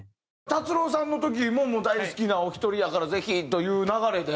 達郎さんの時も大好きなお一人やからぜひという流れで。